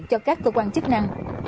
cho các cơ quan chức năng